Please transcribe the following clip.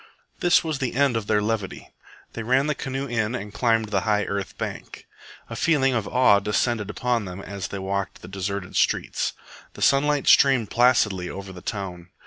This was the end of their levity. They ran the canoe in and climbed the high earth bank. A feeling of awe descended upon them as they walked the deserted streets. The sunlight streamed placidly over the town.